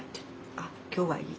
あっ今日はいい」。